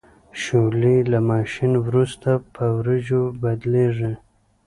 شولې له ماشین وروسته په وریجو بدلیږي.